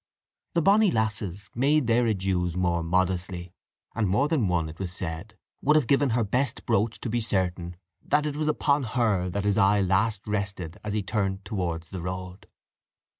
The bonny lasses made their adieus more modestly, and more than one, it was said, would have given her best brooch to be certain that it was upon her that his eye last rested as he turned towards the road.